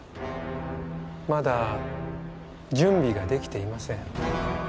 まだ準備ができていません。